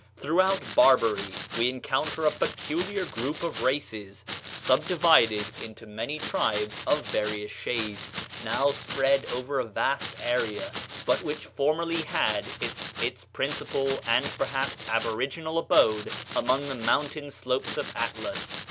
Throughout Barbary we encounter a peculiar group of races, subdivided into many tribes of various shades, now spread over a vast area, but which formerly had its principal and perhaps aboriginal abode along the mountain slopes of Atlas....